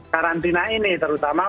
karantina ini terutama